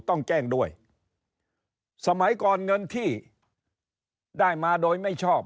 ต้องแจ้งด้วย